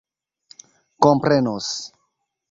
komprenos